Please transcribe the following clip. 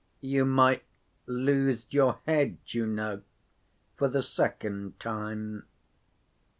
"You might lose your head, you know, for the second time."